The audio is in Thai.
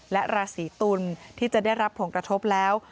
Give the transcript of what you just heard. และราศีตุลที่จะได้รับผลกระทบแล้ว